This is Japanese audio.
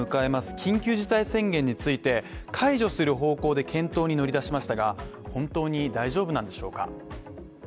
緊急事態宣言について解除する方向で検討に乗り出しましたが本当に大丈夫なんでしょうか